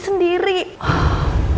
ya udah enya